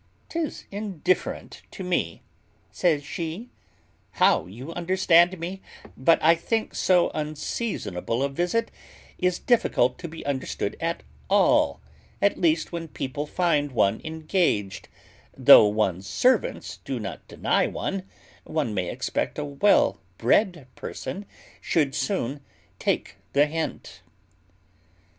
"'Tis indifferent to me," says she, "how you understand me; but I think so unseasonable a visit is difficult to be understood at all, at least when people find one engaged: though one's servants do not deny one, one may expect a well bred person should soon take the hint."